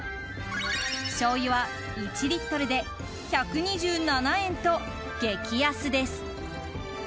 しょうゆは１リットルで１２７円と、激安です。